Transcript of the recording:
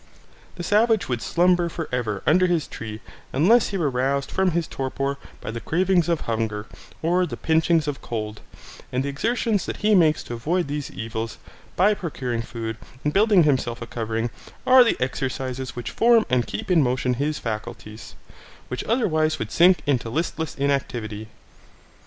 The savage would slumber for ever under his tree unless he were roused from his torpor by the cravings of hunger or the pinchings of cold, and the exertions that he makes to avoid these evils, by procuring food, and building himself a covering, are the exercises which form and keep in motion his faculties, which otherwise would sink into listless inactivity.